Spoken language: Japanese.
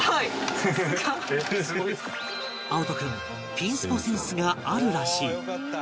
碧人君ピンスポセンスがあるらしい